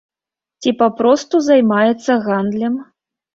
Ці папросту займаецца гандлем?